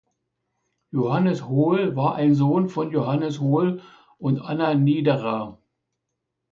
Johannes Hohl war ein Sohn von Johannes Hohl und Anna Niederer.